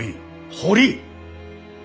堀！